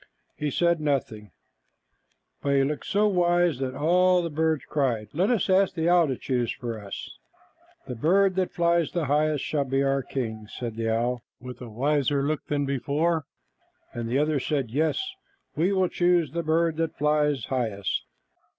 He said nothing, but he looked so wise that all the birds cried, "Let us ask the owl to choose for us." "The bird that flies highest should be our king," said the owl with a wiser look than before, and the others said, "Yes, we will choose the bird that flies highest."